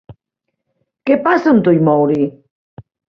Què passa amb tu i Maury?